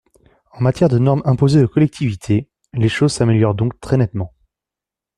En matière de normes imposées aux collectivités, les choses s’améliorent donc très nettement.